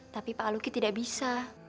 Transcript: tapi pak luki tidak bisa